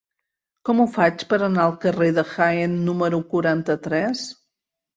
Com ho faig per anar al carrer de Jaén número quaranta-tres?